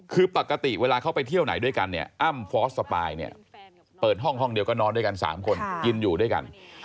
คือปกติเวลาเขาไปเที่ยวไหนด้วยกันเนี่ยอ้ำฟอสสปายเนี่ยเปิดห้องห้องเดียวก็นอนด้วยกัน๓คนกินอยู่ด้วยกัน